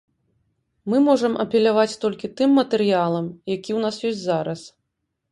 Мы можам апеляваць толькі тым матэрыялам, які ў нас ёсць зараз.